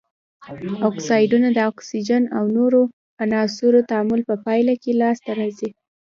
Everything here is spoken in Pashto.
اکسایدونه د اکسیجن او نورو عناصرو تعامل په پایله کې لاس ته راځي.